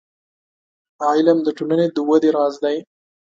• علم، د ټولنې د ودې راز دی.